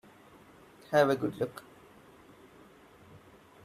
Have a good look.